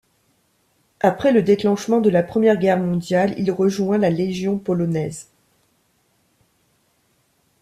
Après le déclenchement de la Première Guerre mondiale, il rejoint la Légion polonaise.